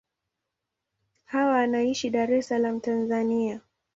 Hawa anaishi Dar es Salaam, Tanzania.